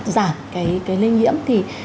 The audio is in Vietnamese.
giảm cái cái lây nhiễm thì